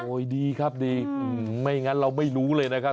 ดีครับดีไม่งั้นเราไม่รู้เลยนะครับ